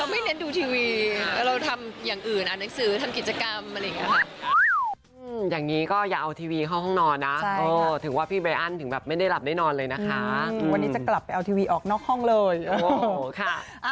ไม่เน้นดูทีวีเราทำอย่างอื่นอ่านหนังสือทำกิจกรรมอะไรอย่างนี้ค่ะ